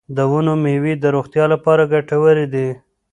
د ونو میوې د روغتیا لپاره ګټورې دي.